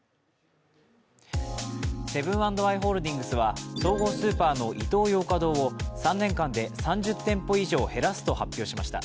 セブン＆アイ・ホールディングスは総合スーパーのイトーヨーカドーを３年間で３０店舗以上、減らすと発表しました。